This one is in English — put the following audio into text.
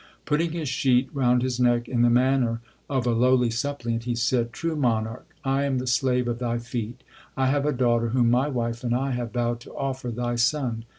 Putting his sheet round his neck in the manner of a lowly suppliant, he said : True Monarch, I am the slave of thy feet. I have a daughter whom my wife and I have vowed to offer thy son.